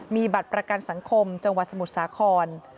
มีบัตรประกันสังคมจังหวัดสมุทรสาคร